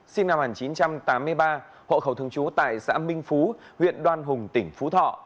sinh năm một nghìn chín trăm tám mươi ba hộ khẩu thường trú tại xã minh phú huyện đoan hùng tỉnh phú thọ